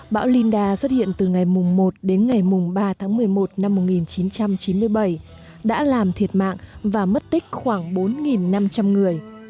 bão linda xuất hiện từ ngày một đến ngày ba tháng một mươi một năm một nghìn chín trăm chín mươi bảy đã làm thiệt mạng và mất tích khoảng bốn năm trăm linh người